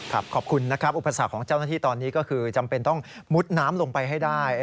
ขอบคุณนะครับอุปสรรคของเจ้าหน้าที่ตอนนี้ก็คือจำเป็นต้องมุดน้ำลงไปให้ได้